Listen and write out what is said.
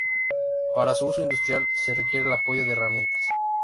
Para su uso industrial, se requiere el apoyo de herramientas.